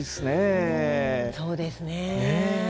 そうですね。